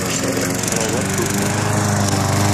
Сораулар күп.